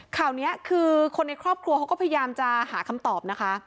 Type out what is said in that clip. ข่าวนี้คือคนในครอบครัวเขาก็พยายามจะหาคำตอบนะคะ